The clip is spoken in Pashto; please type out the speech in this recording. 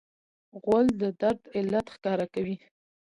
غول د درد علت ښکاره کوي.